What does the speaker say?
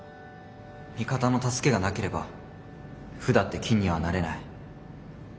味方の助けがなければ歩だって金にはなれない。